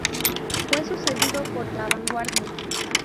Fue sucedido por "La Vanguardia".